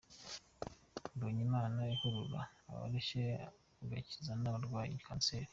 Mbonye Imana iruhura abarushye, igakiza n’abarwaye Cancer.